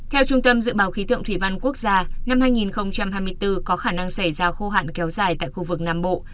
theo trung tâm dự báo khí tượng thủy văn quốc gia năm hai nghìn hai mươi bốn có khả năng xảy ra khô hạn kéo dài tại khu vực nam bộ